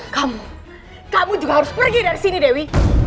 kamu kamu juga harus pergi dari sini dewi